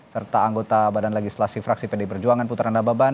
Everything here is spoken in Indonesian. serta anggota badan legislasi fraksi pd perjuangan putra nababan